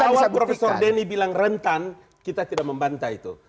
kalau awal profesor denny bilang rentan kita tidak membantah itu